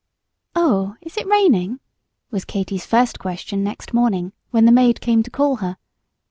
"Oh, is it raining?" was Katy's first question next morning, when the maid came to call her.